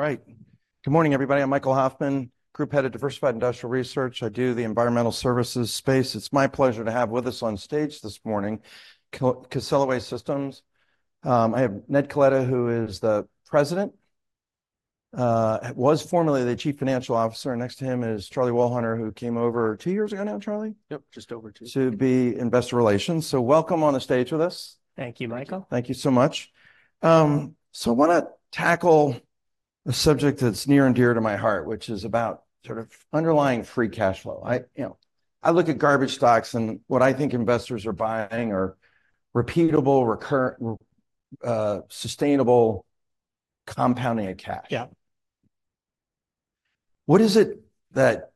All right. Good morning, everybody. I'm Michael Hoffman, Group Head of Diversified Industrial Research. I do the environmental services space. It's my pleasure to have with us on stage this morning from Casella Waste Systems. I have Ned Coletta, who is the president, was formerly the chief financial officer, and next to him is Charlie Wohlhuter, who came over two years ago now, Charlie? Yep, just over two. To be in investor relations. Welcome on the stage with us. Thank you, Michael. Thank you so much. So I wanna tackle a subject that's near and dear to my heart, which is about sort of underlying free cash flow. I, you know, I look at garbage stocks, and what I think investors are buying are repeatable, recurrent, sustainable compounding of cash. Yeah. What is it that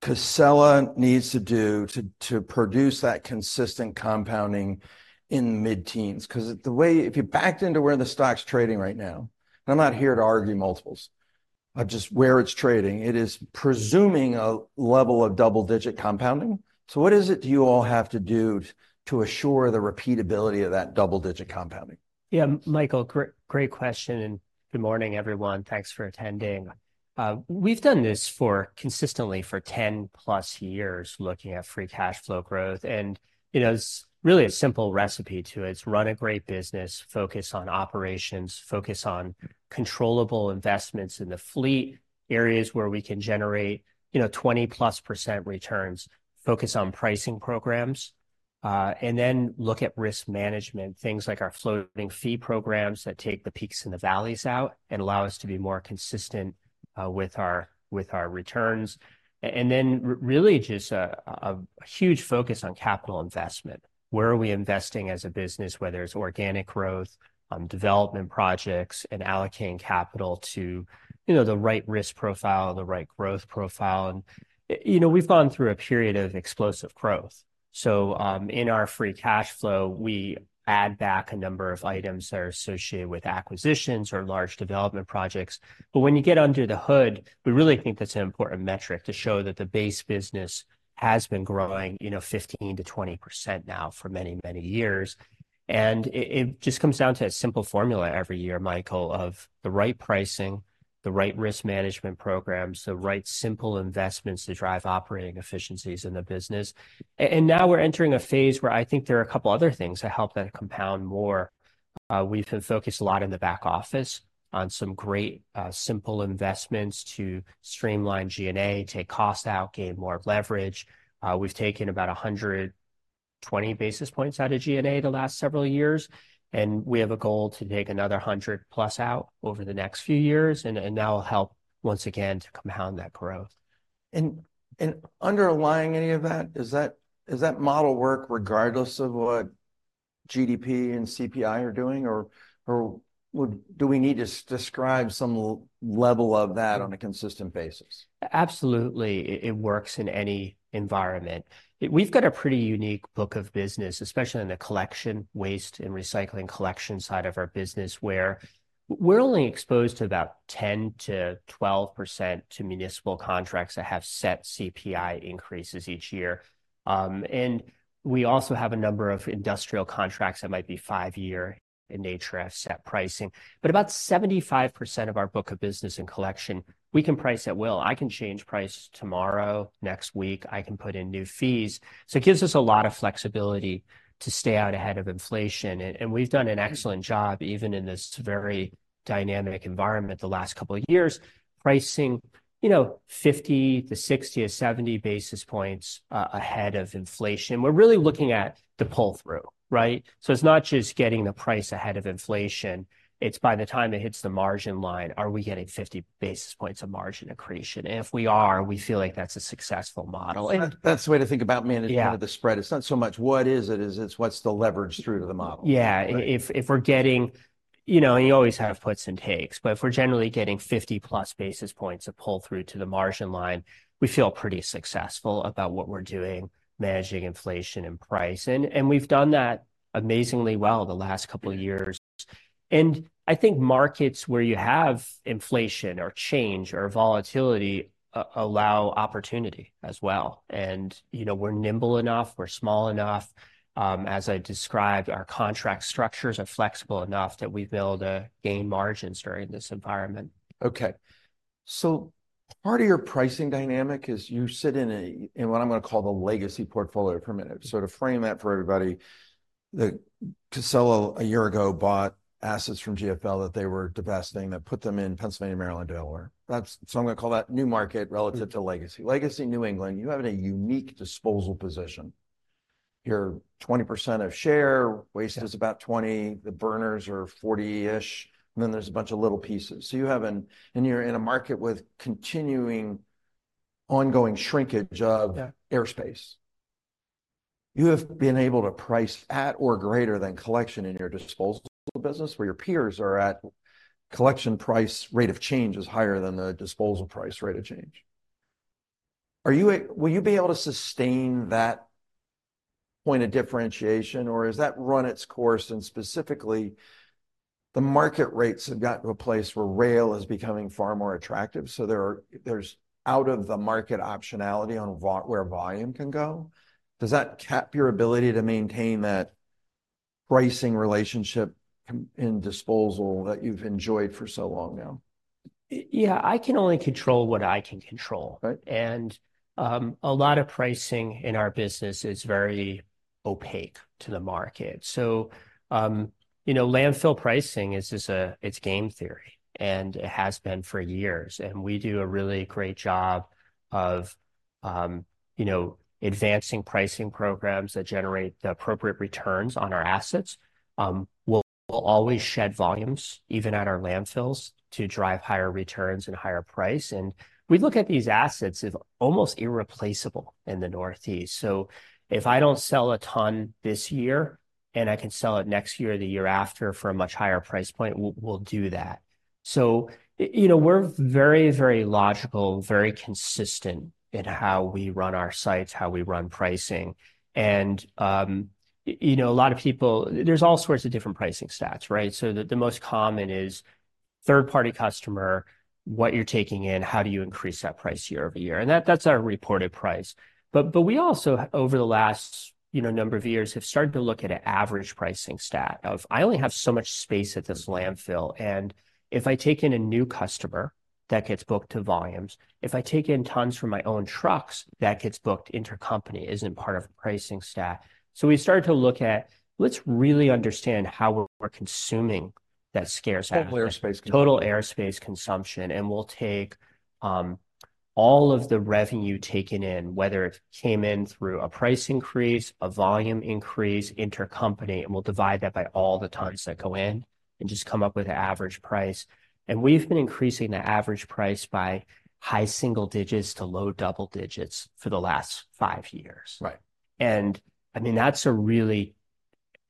Casella needs to do to produce that consistent compounding in the mid-teens? 'Cause the way—if you backed into where the stock's trading right now, and I'm not here to argue multiples, but just where it's trading, it is presuming a level of double-digit compounding. So what is it you all have to do to assure the repeatability of that double-digit compounding? Yeah, Michael, great, great question, and good morning, everyone. Thanks for attending. We've done this consistently for 10+ years, looking at free cash flow growth, and, you know, there's really a simple recipe to it: run a great business, focus on operations, focus on controllable investments in the fleet, areas where we can generate, you know, 20+% returns, focus on pricing programs, and then look at risk management, things like our floating fee programs that take the peaks and the valleys out and allow us to be more consistent, with our, with our returns. And then really just a huge focus on capital investment. Where are we investing as a business, whether it's organic growth, development projects, and allocating capital to, you know, the right risk profile, the right growth profile? You know, we've gone through a period of explosive growth, so, in our free cash flow, we add back a number of items that are associated with acquisitions or large development projects. But when you get under the hood, we really think that's an important metric to show that the base business has been growing, you know, 15%-20% now for many, many years. And it just comes down to a simple formula every year, Michael, of the right pricing, the right risk management programs, the right simple investments to drive operating efficiencies in the business. And now we're entering a phase where I think there are a couple other things to help that compound more. We've been focused a lot in the back office on some great, simple investments to streamline G&A, take cost out, gain more leverage. We've taken about 120 basis points out of G&A the last several years, and we have a goal to take another 100+ out over the next few years, and that will help, once again, to compound that growth. Underlying any of that, does that model work regardless of what GDP and CPI are doing, or would we need to describe some level of that on a consistent basis? Absolutely, it works in any environment. We've got a pretty unique book of business, especially in the collection, waste, and recycling collection side of our business, where we're only exposed to about 10%-12% to municipal contracts that have set CPI increases each year. And we also have a number of industrial contracts that might be 5-year in nature, have set pricing. But about 75% of our book of business and collection, we can price at will. I can change price tomorrow, next week. I can put in new fees. So it gives us a lot of flexibility to stay out ahead of inflation, and, and we've done an excellent job, even in this very dynamic environment the last couple of years, pricing, you know, 50 to 60 to 70 basis points ahead of inflation. We're really looking at the pull-through, right? So it's not just getting the price ahead of inflation, it's by the time it hits the margin line, are we getting 50 basis points of margin accretion? If we are, we feel like that's a successful model, and- That's the way to think about managing- Yeah... the spread. It's not so much what is it, it's, it's what's the leverage through to the model? Yeah. Right. If, if we're getting... You know, and you always have puts and takes, but if we're generally getting 50+ basis points of pull-through to the margin line, we feel pretty successful about what we're doing, managing inflation and pricing. And we've done that amazingly well the last couple of years. And I think markets where you have inflation or change or volatility allow opportunity as well, and, you know, we're nimble enough, we're small enough. As I described, our contract structures are flexible enough that we've been able to gain margins during this environment. Okay, so part of your pricing dynamic is you sit in a, in what I'm gonna call the legacy portfolio for a minute. To sort of frame that for everybody, Casella, a year ago, bought assets from GFL that they were divesting, that put them in Pennsylvania, Maryland, Delaware. That's, so I'm gonna call that new market relative- Mm... to legacy. Legacy, New England, you have a unique disposal position. You're 20% of share- Yeah... waste is about 20, the burners are 40-ish, and then there's a bunch of little pieces. So you have, and you're in a market with continuing ongoing shrinkage of- Yeah... airspace. You have been able to price at or greater than collection in your disposal business, where your peers are at collection price, rate of change is higher than the disposal price rate of change. Will you be able to sustain that point of differentiation, or has that run its course? And specifically, the market rates have gotten to a place where rail is becoming far more attractive, so there's out-of-the-market optionality on volume where volume can go. Does that cap your ability to maintain that pricing relationship in disposal that you've enjoyed for so long now? Yeah, I can only control what I can control. Right. A lot of pricing in our business is very opaque to the market. So, you know, landfill pricing is just it's game theory, and it has been for years, and we do a really great job of, you know, advancing pricing programs that generate the appropriate returns on our assets. We'll, we'll always shed volumes, even at our landfills, to drive higher returns and higher price. And we look at these assets as almost irreplaceable in the Northeast. So if I don't sell a ton this year, and I can sell it next year or the year after for a much higher price point, we'll, we'll do that. So you know, we're very, very logical, very consistent in how we run our sites, how we run pricing. And, you know, a lot of people... There's all sorts of different pricing stats, right? So the, the most common is third-party customer, what you're taking in, how do you increase that price year-over-year? And that, that's our reported price. But, but we also, over the last, you know, number of years, have started to look at an average pricing stat of I only have so much space at this landfill, and if I take in a new customer, that gets booked to volumes. If I take in tons from my own trucks, that gets booked intercompany, isn't part of a pricing stat. So we've started to look at let's really understand how we're consuming that scarce- Total airspace consumption. Total airspace consumption, and we'll take all of the revenue taken in, whether it came in through a price increase, a volume increase, intercompany, and we'll divide that by all the tons that go in and just come up with an average price. We've been increasing the average price by high single digits to low double digits for the last 5 years. Right. I mean, that's a really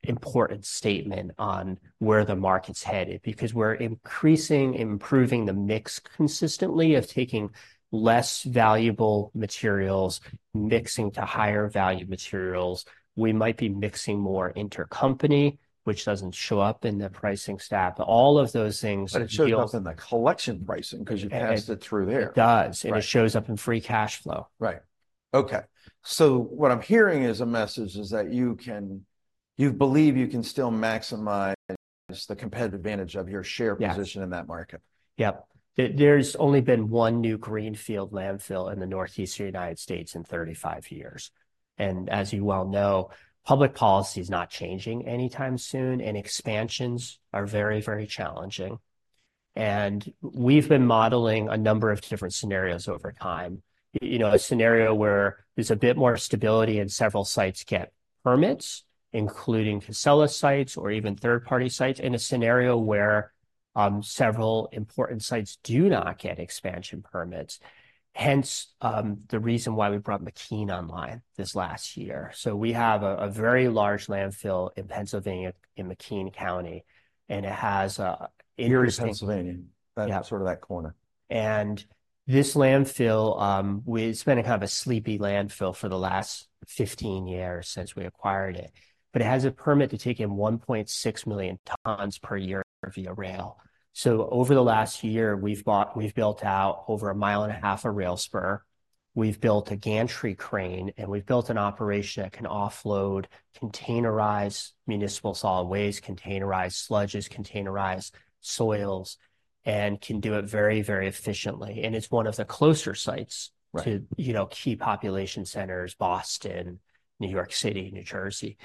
important statement on where the market's headed because we're increasing, improving the mix consistently of taking less valuable materials, mixing to higher value materials. We might be mixing more intercompany, which doesn't show up in the pricing stat. All of those things- But it shows up in the collection pricing because- And- You passed it through there. It does. Right. It shows up in Free Cash Flow. Right. Okay, so what I'm hearing as a message is that you believe you can still maximize the competitive advantage of your share position- Yes... in that market. Yep. There's only been one new greenfield landfill in the Northeast United States in 35 years. And as you well know, public policy is not changing anytime soon, and expansions are very, very challenging. And we've been modeling a number of different scenarios over time. You know, a scenario where there's a bit more stability and several sites get permits, including Casella sites or even third-party sites, in a scenario where several important sites do not get expansion permits, hence the reason why we brought McKean online this last year. So we have a very large landfill in Pennsylvania, in McKean County, and it has an interesting- Scranton, Pennsylvania. Yeah. Sort of that corner. And this landfill, it's been a kind of a sleepy landfill for the last 15 years since we acquired it, but it has a permit to take in 1.6 million tons per year via rail. So over the last year, we've built out over a mile and a half of rail spur, we've built a gantry crane, and we've built an operation that can offload, containerize municipal solid waste, containerize sludges, containerize soils, and can do it very, very efficiently, and it's one of the closer sites- Right... to, you know, key population centers, Boston, New York City, New Jersey.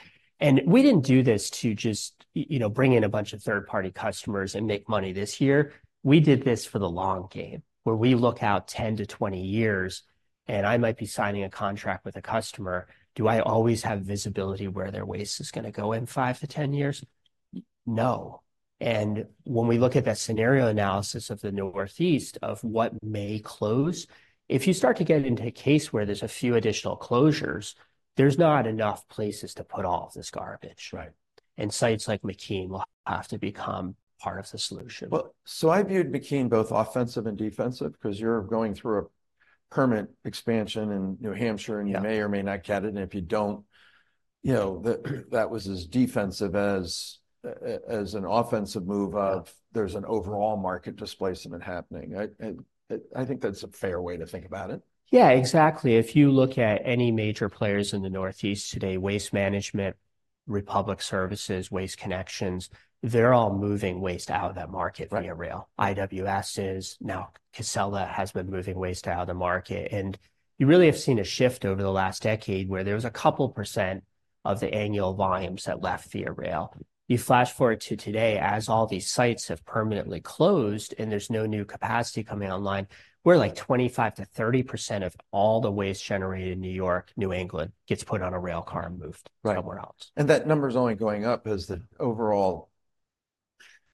And we didn't do this to just you know, bring in a bunch of third-party customers and make money this year. We did this for the long game, where we look out 10-20 years, and I might be signing a contract with a customer. Do I always have visibility where their waste is going to go in 5-10 years? No. And when we look at that scenario analysis of the Northeast, of what may close, if you start to get into a case where there's a few additional closures, there's not enough places to put all of this garbage. Right. Sites like McKean will have to become part of the solution. Well, I viewed McKean both offensive and defensive, because you're going through a permit expansion in New Hampshire- Yeah... and you may or may not get it, and if you don't, you know, that was as defensive as an offensive move of- Yeah... there's an overall market displacement happening. I think that's a fair way to think about it. Yeah, exactly. If you look at any major players in the Northeast today, Waste Management, Republic Services, Waste Connections, they're all moving waste out of that market- Right... via rail. IWS is. Now, Casella has been moving waste out of the market, and you really have seen a shift over the last decade where there was a couple% of the annual volumes that left via rail. You flash forward to today, as all these sites have permanently closed, and there's no new capacity coming online, where, like, 25%-30% of all the waste generated in New York, New England, gets put on a rail car and moved- Right... somewhere else. That number's only going up as the overall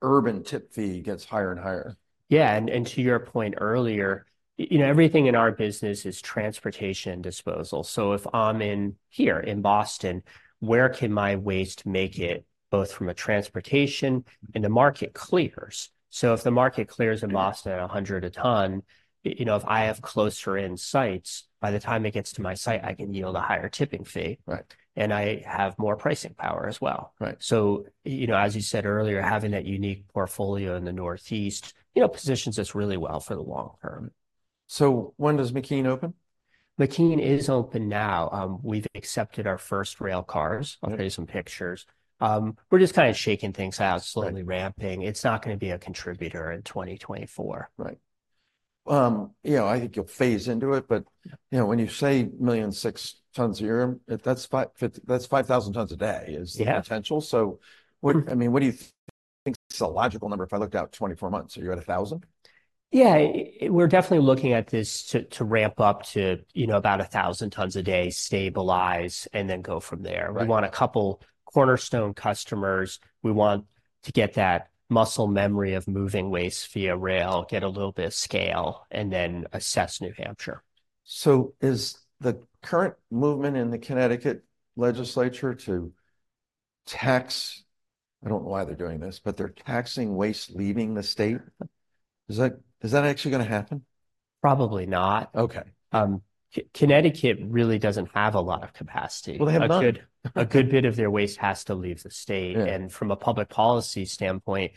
urban tipping fee gets higher and higher. Yeah, and to your point earlier, you know, everything in our business is transportation and disposal. So if I'm in here, in Boston, where can my waste make it, both from a transportation and the market clears? So if the market clears in Boston at $100 a ton, you know, if I have closer-in sites, by the time it gets to my site, I can yield a higher tipping fee- Right... and I have more pricing power as well. Right. You know, as you said earlier, having that unique portfolio in the Northeast, you know, positions us really well for the long term. When does McKean open?... McKean is open now. We've accepted our first rail cars. Okay. I'll show you some pictures. We're just kind of shaking things out- Sure... slowly ramping. It's not gonna be a contributor in 2024. Right. You know, I think you'll phase into it, but- Yeah... you know, when you say 1.6 million tons a year, that's five thousand tons a day- Yeah... is the potential. So what, I mean, what do you think is a logical number if I looked out 24 months? Are you at 1,000? Yeah, we're definitely looking at this to ramp up to, you know, about 1,000 tons a day, stabilize, and then go from there. Right. We want a couple cornerstone customers. We want to get that muscle memory of moving waste via rail, get a little bit of scale, and then assess New Hampshire. So is the current movement in the Connecticut legislature to tax... I don't know why they're doing this, but they're taxing waste leaving the state. Is that, is that actually gonna happen? Probably not. Okay. Connecticut really doesn't have a lot of capacity. Well, they have none. A good bit of their waste has to leave the state. Yeah. From a public policy standpoint,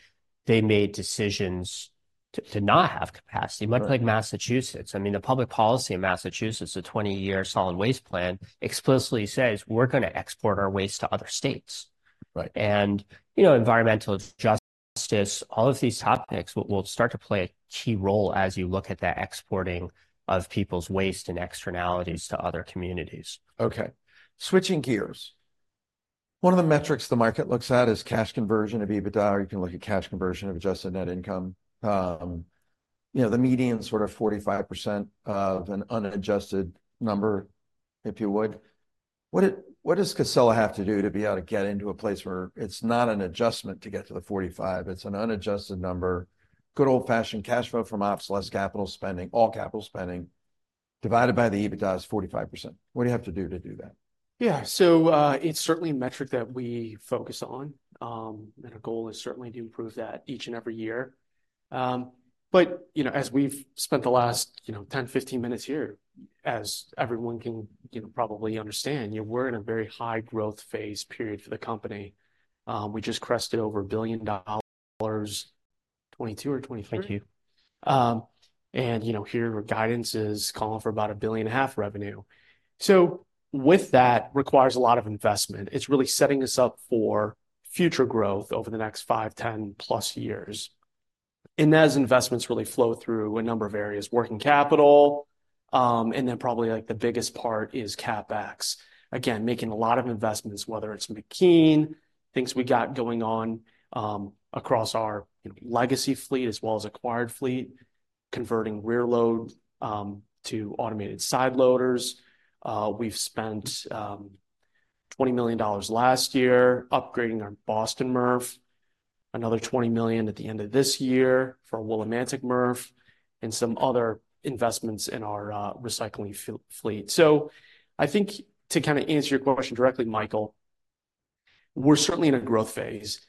they made decisions to not have capacity- Right... much like Massachusetts. I mean, the public policy in Massachusetts, a 20-year solid waste plan, explicitly says, "We're gonna export our waste to other states. Right. You know, environmental justice, all of these topics will start to play a key role as you look at the exporting of people's waste and externalities to other communities. Okay. Switching gears, one of the metrics the market looks at is cash conversion of EBITDA, or you can look at cash conversion of adjusted net income. You know, the median is sort of 45% of an unadjusted number, if you would. What does Casella have to do to be able to get into a place where it's not an adjustment to get to the 45, it's an unadjusted number, good old-fashioned cash flow from ops less capital spending, all capital spending, divided by the EBITDA is 45%? What do you have to do to do that? Yeah, so, it's certainly a metric that we focus on, and our goal is certainly to improve that each and every year. But, you know, as we've spent the last, you know, 10, 15 minutes here, as everyone can, you know, probably understand, you know, we're in a very high growth phase period for the company. We just crested over $1 billion, 2022 or 2023? Thank you. And, you know, here guidance is calling for about $1.5 billion revenue. So with that requires a lot of investment. It's really setting us up for future growth over the next 5, 10+ years, and as investments really flow through a number of areas, working capital, and then probably, like, the biggest part is CapEx. Again, making a lot of investments, whether it's McKean, things we got going on, across our, you know, legacy fleet, as well as acquired fleet, converting rear load to automated side loaders. We've spent $20 million last year upgrading our Boston MRF, another $20 million at the end of this year for Willimantic MRF, and some other investments in our recycling fleet. So I think to kind of answer your question directly, Michael, we're certainly in a growth phase.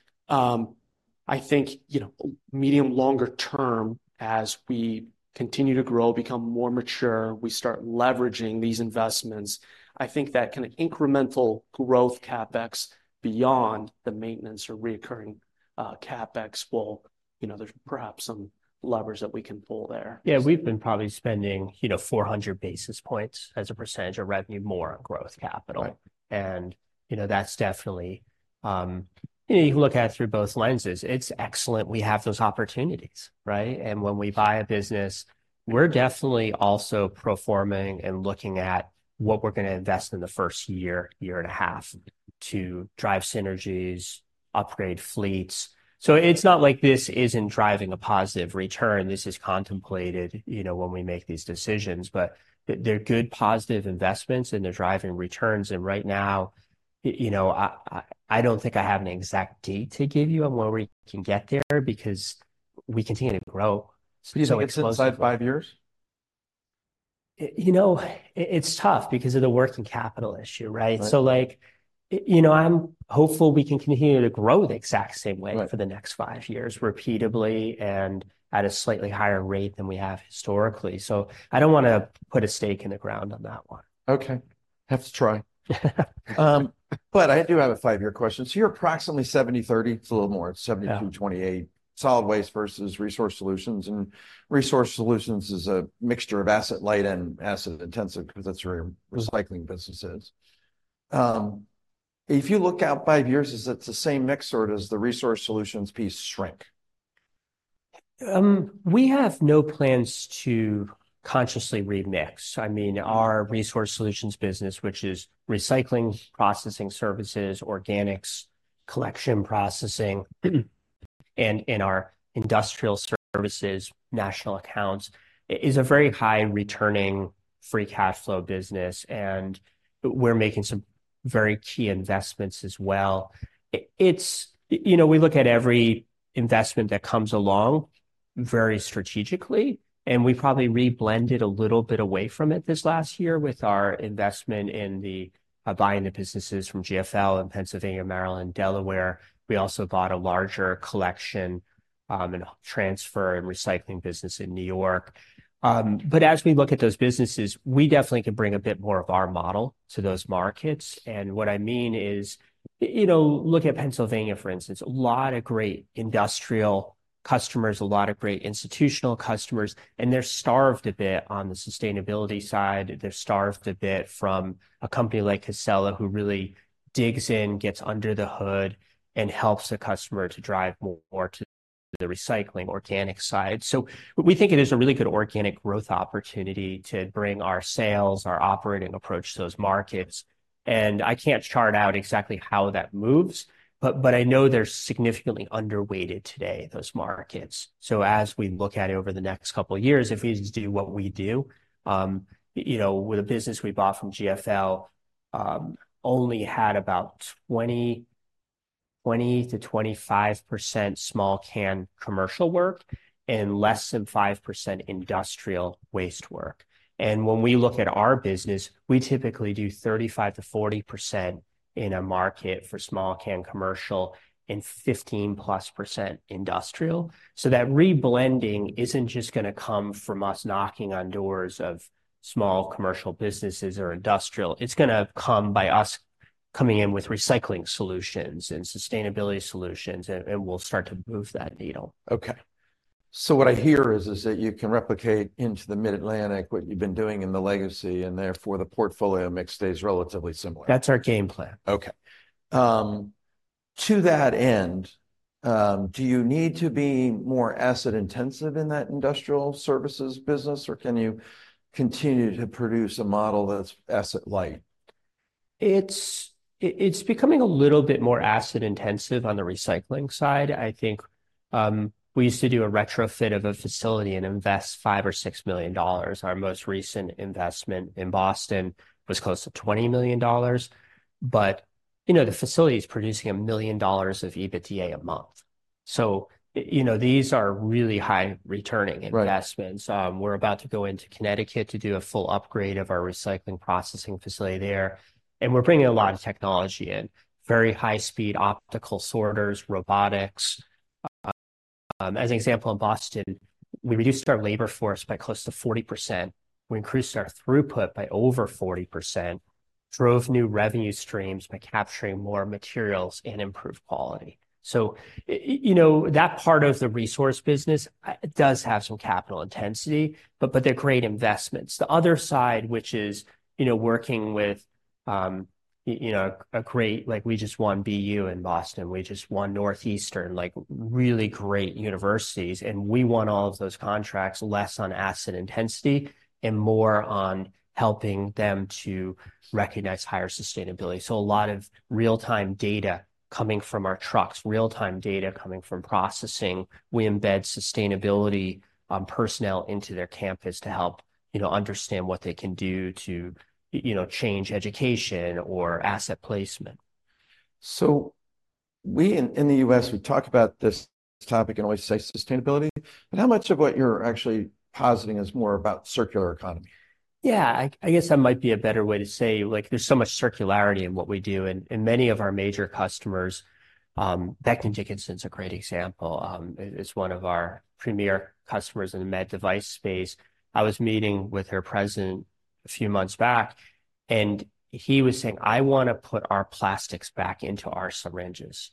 I think, you know, medium, longer term, as we continue to grow, become more mature, we start leveraging these investments, I think that kind of incremental growth CapEx beyond the maintenance or recurring, CapEx will... You know, there's perhaps some levers that we can pull there. Yeah, we've been probably spending, you know, 400 basis points as a percentage of revenue more on growth capital. Right. You know, that's definitely. You know, you can look at it through both lenses. It's excellent we have those opportunities, right? And when we buy a business, we're definitely also pro forma-ing and looking at what we're gonna invest in the first year, year and a half, to drive synergies, upgrade fleets. So it's not like this isn't driving a positive return. This is contemplated, you know, when we make these decisions, but they're good, positive investments, and they're driving returns. And right now, you know, I don't think I have an exact date to give you on when we can get there because we continue to grow, so it's- Do you think it's inside five years? You know, it's tough because of the working capital issue, right? Right. So, like, you know, I'm hopeful we can continue to grow the exact same way- Right... for the next five years, repeatedly and at a slightly higher rate than we have historically. So I don't wanna put a stake in the ground on that one. Okay. Have to try. But I do have a five-year question. So you're approximately 70/30. It's a little more- Yeah... 72, 28, solid waste versus Resource Solutions, and Resource Solutions is a mixture of asset light and asset intensive because that's where your- Mm... recycling business is. If you look out five years, is it the same mix, or does the Resource Solutions piece shrink? We have no plans to consciously remix. I mean, our Resource Solutions business, which is recycling, processing services, organics collection processing, and, and our industrial services, national accounts, is a very high-returning free cash flow business, and we're making some very key investments as well. It's... You know, we look at every investment that comes along very strategically, and we probably re-blended a little bit away from it this last year with our investment in the buying the businesses from GFL in Pennsylvania, Maryland, Delaware. We also bought a larger collection and transfer and recycling business in New York. But as we look at those businesses, we definitely can bring a bit more of our model to those markets, and what I mean is, you know, look at Pennsylvania, for instance, a lot of great industrial-... Customers, a lot of great institutional customers, and they're starved a bit on the sustainability side. They're starved a bit from a company like Casella, who really digs in, gets under the hood, and helps the customer to drive more to the recycling organic side. So we think it is a really good organic growth opportunity to bring our sales, our operating approach to those markets, and I can't chart out exactly how that moves, but I know they're significantly underweighted today, those markets. So as we look at it over the next couple years, if we just do what we do, you know, with the business we bought from GFL, only had about 20-25% small can commercial work and less than 5% industrial waste work, and when we look at our business, we typically do 35%-40% in a market for small can commercial and 15%+ industrial. So that reblending isn't just gonna come from us knocking on doors of small commercial businesses or industrial. It's gonna come by us coming in with recycling solutions and sustainability solutions, and, and we'll start to move that needle. Okay. So what I hear is, is that you can replicate into the Mid-Atlantic what you've been doing in the legacy, and therefore, the portfolio mix stays relatively similar. That's our game plan. Okay. To that end, do you need to be more asset-intensive in that industrial services business, or can you continue to produce a model that's asset light? It's becoming a little bit more asset-intensive on the recycling side. I think we used to do a retrofit of a facility and invest $5 or $6 million. Our most recent investment in Boston was close to $20 million, but you know, the facility's producing $1 million of EBITDA a month. So you know, these are really high-returning investments. Right. We're about to go into Connecticut to do a full upgrade of our recycling processing facility there, and we're bringing a lot of technology in, very high-speed optical sorters, robotics. As an example, in Boston, we reduced our labor force by close to 40%. We increased our throughput by over 40%, drove new revenue streams by capturing more materials and improved quality. So you know, that part of the resource business does have some capital intensity, but they're great investments. The other side, which is, you know, working with you know, a great... Like, we just won BU in Boston. We just won Northeastern, like, really great universities, and we won all of those contracts less on asset intensity and more on helping them to recognize higher sustainability, so a lot of real-time data coming from our trucks, real-time data coming from processing. We embed sustainability personnel into their campus to help, you know, understand what they can do to, you know, change education or asset placement. So we in the US, we talk about this topic and always say sustainability, but how much of what you're actually positing is more about circular economy? Yeah, I, I guess that might be a better way to say. Like, there's so much circularity in what we do, and, and many of our major customers, Becton Dickinson's a great example, is, is one of our premier customers in the med device space. I was meeting with their president a few months back, and he was saying, "I want to put our plastics back into our syringes,"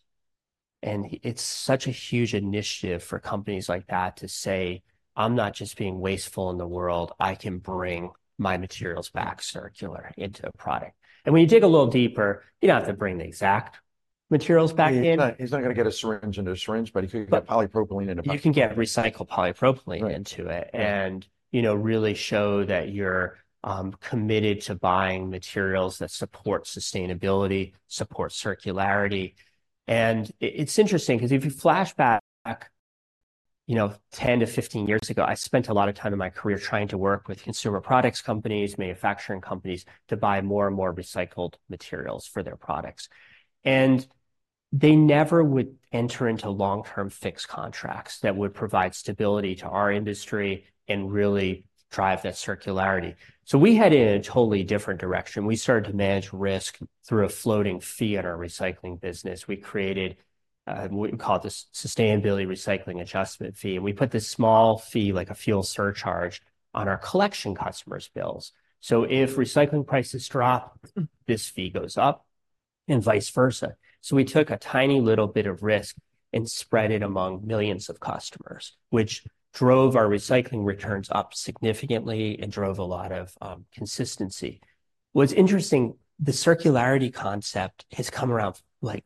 and he- it's such a huge initiative for companies like that to say, "I'm not just being wasteful in the world. I can bring my materials back circular into a product." And when you dig a little deeper, you don't have to bring the exact materials back in- He's not, he's not gonna get a syringe into a syringe, but he could get- But- Polypropylene in a box. You can get recycled polypropylene into it- Right... and, you know, really show that you're committed to buying materials that support sustainability, support circularity, and it's interesting because if you flash back, you know, 10-15 years ago, I spent a lot of time in my career trying to work with consumer products companies, manufacturing companies to buy more and more recycled materials for their products. And they never would enter into long-term fixed contracts that would provide stability to our industry and really drive that circularity. So we headed in a totally different direction. We started to manage risk through a floating fee at our recycling business. We created what we call the Sustainability Recycling Adjustment fee, and we put this small fee, like a fuel surcharge, on our collection customers' bills. So if recycling prices drop, this fee goes up and vice versa. We took a tiny little bit of risk and spread it among millions of customers, which drove our recycling returns up significantly and drove a lot of consistency. What's interesting, the circularity concept has come around, like,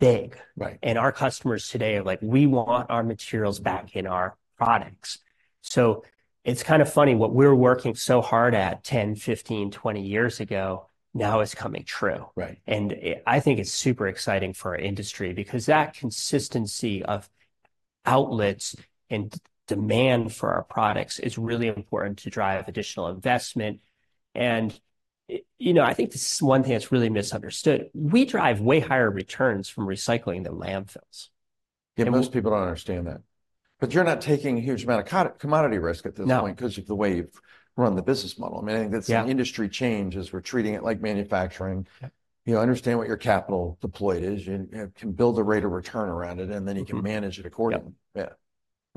big. Right. And our customers today are like, "We want our materials back in our products." So it's kind of funny, what we're working so hard at 10, 15, 20 years ago now is coming true. Right. And I think it's super exciting for our industry because that consistency of outlets and demand for our products is really important to drive additional investment, and it... You know, I think this is one thing that's really misunderstood. We drive way higher returns from recycling than landfills, and- Yeah, most people don't understand that. But you're not taking a huge amount of commodity risk at this point. No... because of the way you've run the business model. I mean, I think that's- Yeah... an industry change, is we're treating it like manufacturing. Yeah. You know, understand what your capital deployed is. You, you can build a rate of return around it, and then you can manage it accordingly. Yep. Yeah, right.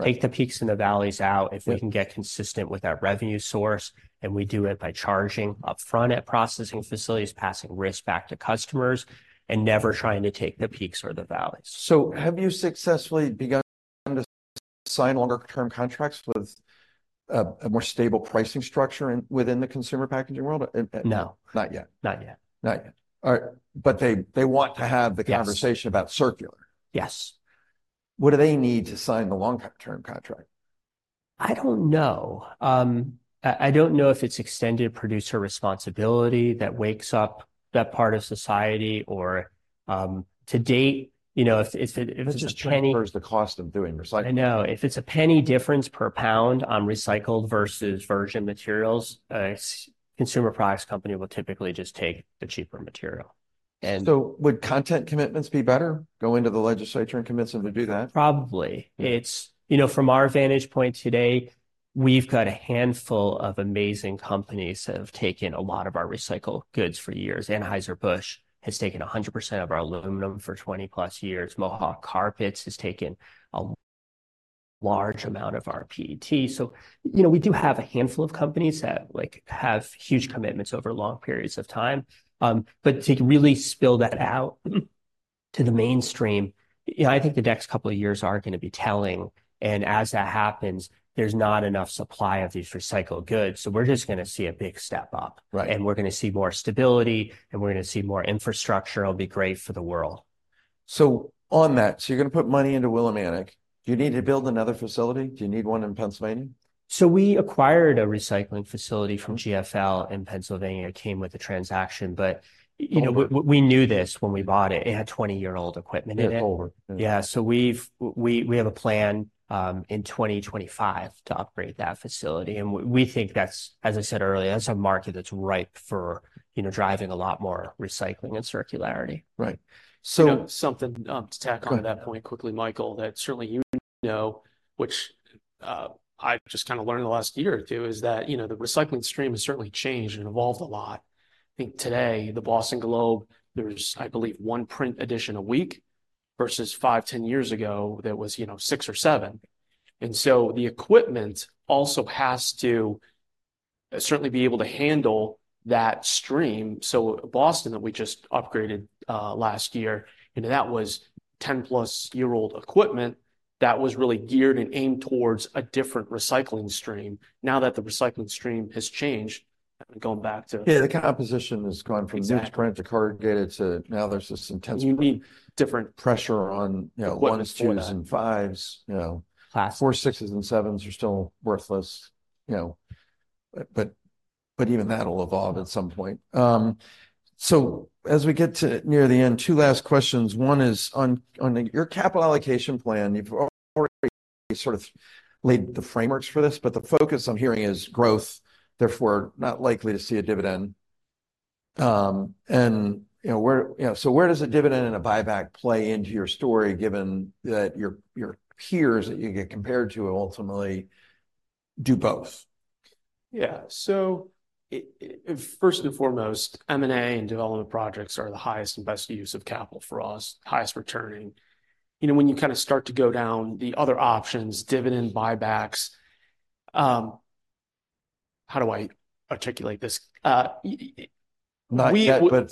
Take the peaks and the valleys out- Yeah... if we can get consistent with that revenue source, and we do it by charging upfront at processing facilities, passing risk back to customers, and never trying to take the peaks or the valleys. So have you successfully begun to sign longer-term contracts with a more stable pricing structure in within the consumer packaging world? No. Not yet? Not yet. Not yet. All right, but they want to have the- Yes... conversation about circular? Yes. What do they need to sign the long-term contract? I don't know. I don't know if it's extended producer responsibility that wakes up that part of society or... To date, you know, if it's just a penny- It just transfers the cost of doing recycling. I know. If it's a $0.01 difference per pound on recycled versus virgin materials, a consumer products company will typically just take the cheaper material. And- Would content commitments be better, going to the legislature and convince them to do that? Probably. Yeah. It's, you know, from our vantage point today, we've got a handful of amazing companies that have taken a lot of our recycled goods for years. Anheuser-Busch has taken 100% of our aluminum for 20+ years. Mohawk Carpets has taken a large amount of our PET. So, you know, we do have a handful of companies that, like, have huge commitments over long periods of time. But to really spill that out to the mainstream, you know, I think the next couple of years are gonna be telling, and as that happens, there's not enough supply of these recycled goods, so we're just gonna see a big step-up. Right. We're gonna see more stability, and we're gonna see more infrastructure. It'll be great for the world. So on that, so you're gonna put money into Willimantic. Do you need to build another facility? Do you need one in Pennsylvania? So we acquired a recycling facility- Okay... from GFL in Pennsylvania. It came with the transaction. But, you know- Okay... we knew this when we bought it. It had 20-year-old equipment in it. It's older. Yeah, so we have a plan in 2025 to upgrade that facility, and we think that's, as I said earlier, that's a market that's ripe for, you know, driving a lot more recycling and circularity. Right. So- You know, something, to tack on to that point- Go ahead... quickly, Michael, that certainly you know, which, I've just kind of learned in the last 1 year or 2, is that, you know, the recycling stream has certainly changed and evolved a lot. I think today, the Boston Globe, there's, I believe, 1 print edition a week, versus 5, 10 years ago, there was, you know, 6 or 7. And so the equipment also has to certainly be able to handle that stream. So Boston, that we just upgraded last year, you know, that was 10+-year-old equipment that was really geared and aimed towards a different recycling stream. Now that the recycling stream has changed, and going back to- Yeah, the composition has gone from- Exactly... newsprint to corrugated to now there's this intense- You need-... different pressure on, you know- Equipment for that.... ones, twos, and fives, you know. классиfies. Four, sixes, and sevens are still worthless, you know, but, but, but even that'll evolve at some point. So as we get to near the end, two last questions. One is on your capital allocation plan, you've already sort of laid the frameworks for this, but the focus I'm hearing is growth, therefore not likely to see a dividend. And you know, where... You know, so where does a dividend and a buyback play into your story, given that your peers that you get compared to ultimately do both? Yeah, so first and foremost, M&A and development projects are the highest and best use of capital for us, highest returning. You know, when you kind of start to go down the other options, dividend, buybacks, how do I articulate this? Not yet, but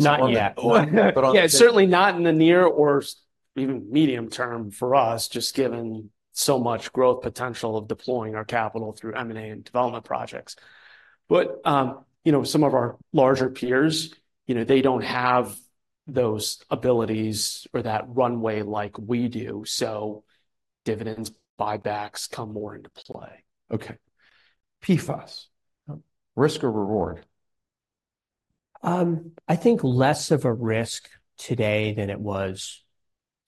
on that point- Not yet. But on- Yeah, certainly not in the near or even medium term for us, just given so much growth potential of deploying our capital through M&A and development projects. But, you know, some of our larger peers, you know, they don't have those abilities or that runway like we do, so dividends, buybacks come more into play. Okay. PFAS, risk or reward? I think less of a risk today than it was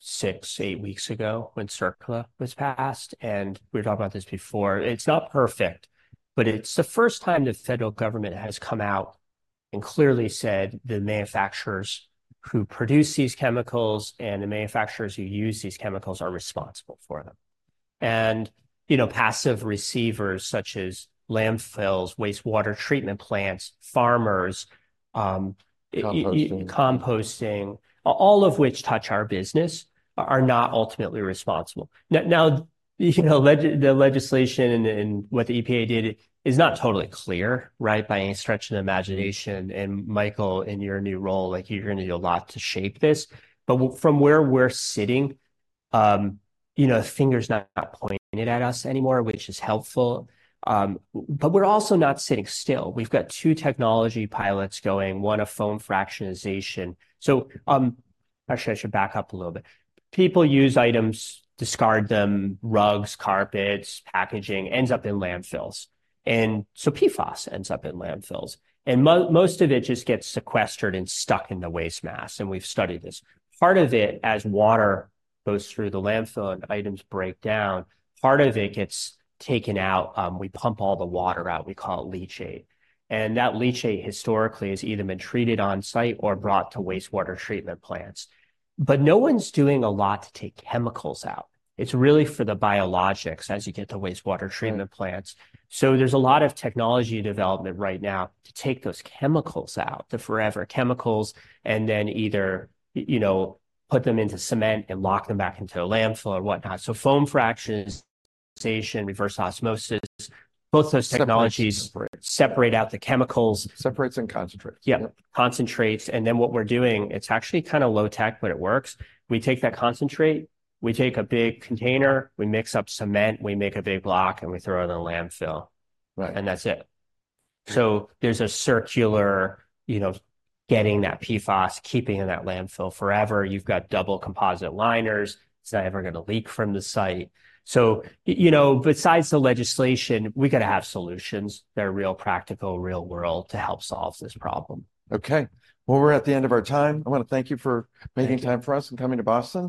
6-8 weeks ago, when CERCLA was passed, and we were talking about this before. It's not perfect, but it's the first time the federal government has come out and clearly said the manufacturers who produce these chemicals and the manufacturers who use these chemicals are responsible for them. And, you know, passive receivers, such as landfills, wastewater treatment plants, farmers, Composting... composting, all of which touch our business, are not ultimately responsible. Now, you know, the legislation and, and what the EPA did is not totally clear, right, by any stretch of the imagination. Mm-hmm. And Michael, in your new role, like, you're gonna do a lot to shape this. But from where we're sitting, you know, the finger's not pointed at us anymore, which is helpful. But we're also not sitting still. We've got two technology pilots going, one of foam fractionation. So, actually, I should back up a little bit. People use items, discard them, rugs, carpets, packaging, ends up in landfills, and so PFAS ends up in landfills, and most of it just gets sequestered and stuck in the waste mass, and we've studied this. Part of it, as water goes through the landfill and items break down, part of it gets taken out. We pump all the water out. We call it leachate. And that leachate historically has either been treated on site or brought to wastewater treatment plants. But no one's doing a lot to take chemicals out. It's really for the biologics as you get to wastewater treatment plants. Mm. So there's a lot of technology development right now to take those chemicals out, the forever chemicals, and then either, you know, put them into cement and lock them back into a landfill or whatnot. So foam fractionation, reverse osmosis, both those technologies- Separates... separate out the chemicals. Separates and concentrates. Yeah. Yeah. Concentrates, and then what we're doing, it's actually kind of low tech, but it works. We take that concentrate, we take a big container, we mix up cement, we make a big block, and we throw it in a landfill. Right. That's it. Yeah. So there's a circular, you know, getting that PFAS, keeping it in that landfill forever. You've got double composite liners. It's not ever gonna leak from the site. So, you know, besides the legislation, we've gotta have solutions that are real practical, real world, to help solve this problem. Okay. Well, we're at the end of our time. I wanna thank you for making time for us- Thank you... and coming to Boston.